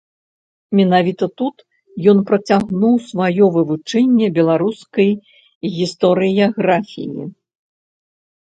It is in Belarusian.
Менавіта тут ён працягнуў сваё вывучэнне беларускай гістарыяграфіі.